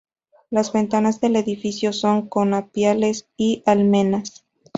Las ventanas del edificio son conopiales y almenas.